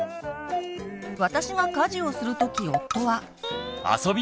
私が家事をするとき夫は。